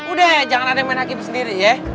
udah jangan ada yang main hakim sendiri ya